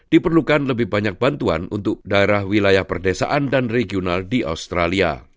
diperlukan lebih banyak bantuan untuk daerah wilayah perdesaan dan regional di australia